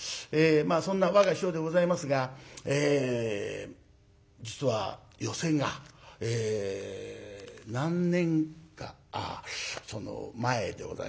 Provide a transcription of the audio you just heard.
そんな我が師匠でございますが実は寄席がえ何年かその前でございましたか